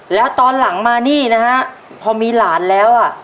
แล้วตอนหลังมานี่นะฮะพอมีหลานแล้วอ่ะ